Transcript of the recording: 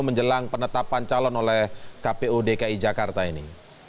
menjelang penetapan calon oleh kpu dki jakarta ini